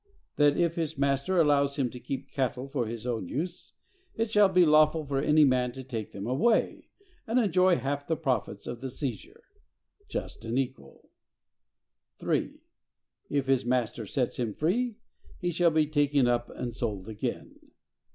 That if his master allow him to keep cattle for his own use, it shall be lawful for any man to take them away, and enjoy half the profits of the seizure.—Just and equal! 3. If his master sets him free, he shall be taken up and sold again.